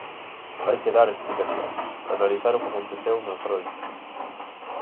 Hai que dar explicacións, analizar o que aconteceu en Angrois.